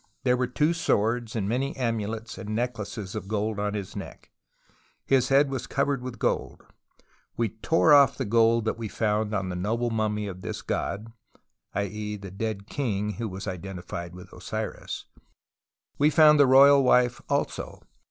There were two swords and many amulets and neck laces of gold on his neck : his head was covered with gold. We tore off the gold that we 76 TUTANKHAMEN found on the noble mummy of this god [i.e. the dead king who was identified with Osiris]. We found the royal wife also.